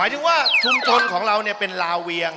หมายถึงว่าทุมชนของเราเนี่ยเป็นลาเวียง